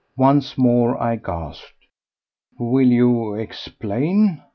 Once more I gasped. "Will you explain?"